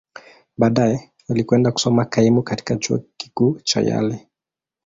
Baadaye, alikwenda kusoma kaimu katika Chuo Kikuu cha Yale.